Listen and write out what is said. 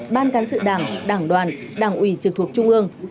ban cán sự đảng đảng đoàn đảng ủy trực thuộc trung ương